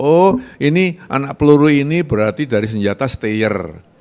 oh ini anak peluru ini berarti dari senjata stayer